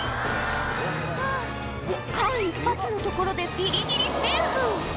はぁ間一髪のところでギリギリセーフ